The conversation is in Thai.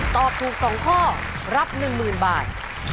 ตอบถูก๒ข้อรับ๑๐๐๐บาท